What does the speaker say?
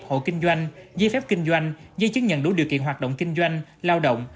hộ kinh doanh dây phép kinh doanh dây chứng nhận đủ điều kiện hoạt động kinh doanh lao động